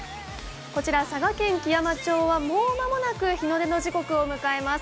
こちら佐賀県基山町はもう間もなく日の出の時刻を迎えます。